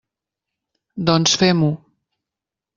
Doncs, fem-ho.